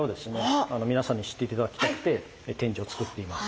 みなさんに知っていただきたくて展示を作っています。